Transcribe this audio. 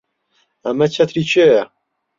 ئەمە چەتری کێیە؟